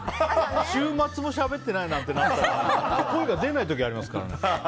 週末もしゃべってないなんてなったら声が出ない時ありますからね。